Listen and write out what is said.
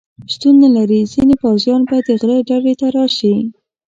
شتون نه لري، ځینې پوځیان به د غره ډډې ته راشي.